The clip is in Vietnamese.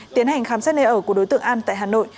tiến hành khám xét nơi ở của đối tượng an tại hà nội